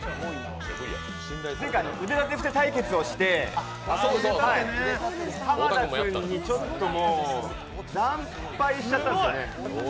前回、腕立て伏せ対決をして、濱田君に惨敗しちゃったんですよね。